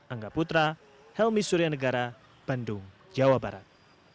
angga putra helmi suryanegara bandung jawa barat